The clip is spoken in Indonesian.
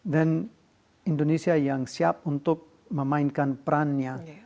dan indonesia yang siap untuk memainkan perannya